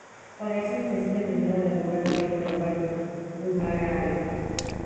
Para eso, necesita el dinero del hombre más rico del barrio, Guimarães.